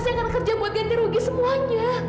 saya akan kerja buat ganti rugi semuanya